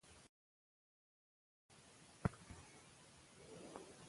که تازه میوه وخورو نو کمزوري نه راځي.